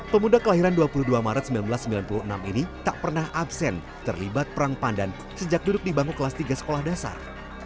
pemuda kelahiran dua puluh dua maret seribu sembilan ratus sembilan puluh enam ini tak pernah absen terlibat perang pandan sejak duduk di bangku kelas tiga sekolah dasar